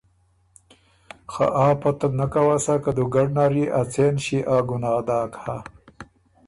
خه آ پته بو نک اؤسا که دُوګډ نر يې ا څېن ݭيې آ ګناه داک هۀ۔